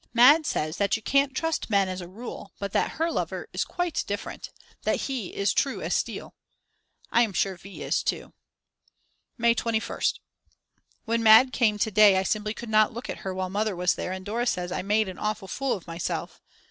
Mad. says that you can't trust men as a rule, but that her lover is quite different, that he is true as steel. I am sure V. is too. May 21st. When Mad. came to day I simply could not look at her while Mother was there and Dora says I made an awful fool of myself.